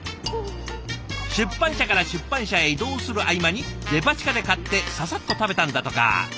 出版社から出版社へ移動する合間にデパ地下で買ってささっと食べたんだとか。